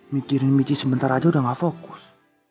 mikirin michi sebentar aja udah gak fokus